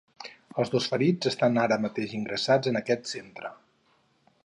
Els dos ferits estàn ara mateix ingressats en aquest centre.